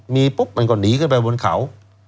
มันก็หนีขึ้นไปบนเขา